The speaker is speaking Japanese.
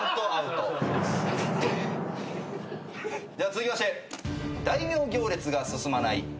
続きまして。